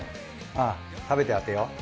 ああ食べて当てよう。